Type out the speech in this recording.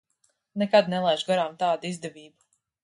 Nekad nelaižu garām tādu izdevību.